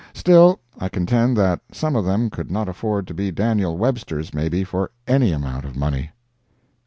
Still, I contend that some of them could not afford to be Daniel Websters, maybe, for any amount of money.